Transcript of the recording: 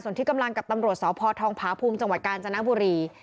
ส่วนที่กำลังกับตำรวจสพทองผาภูมิจังหวัดกาญจนบุรี